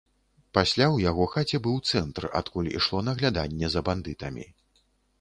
Пасля ў яго хаце быў цэнтр, адкуль ішло нагляданне за бандытамі.